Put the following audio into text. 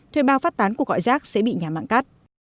thuê bao phát tán cuộc gọi rác sẽ bị nhà mạng cắt